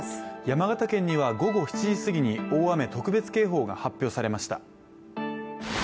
山形県には午後７時すぎに大雨特別警報が発表されました。